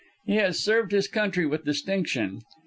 He has served his country with distinction.